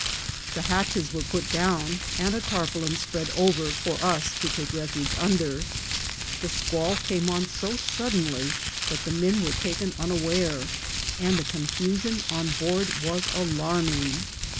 The hatches were put down, and a tarpaulin spread over for us to take refuge under. The squall came on so suddenly that the men were taken una ware, and the confusion on board was alarming.